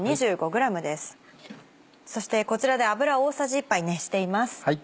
そしてこちらで油大さじ１杯熱しています。